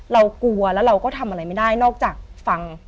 เรากลัวแล้วเราก็ทำอะไรไม่ได้นอกจากฟัง